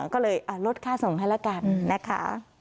ก็เลยลดค่าส่งให้ละกันนะคะ